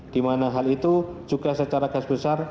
dimana hal itu juga secara gas besar